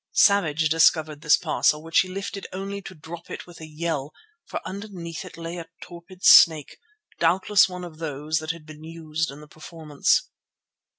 Savage discovered this parcel, which he lifted only to drop it with a yell, for underneath it lay a torpid snake, doubtless one of those that had been used in the performance.